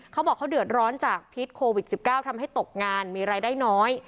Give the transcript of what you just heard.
เขาบอกเขาเดือดร้อนจากพิษโควิด๑๙ทำให้ตกงานมีรายได้น้อย